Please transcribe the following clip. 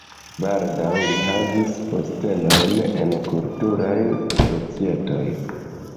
Baldaŭ li havis postenojn en kulturaj societoj.